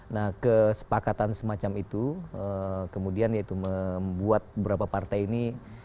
nah kesepakatan semacam itu kemudian yaitu membuat beberapa partai ini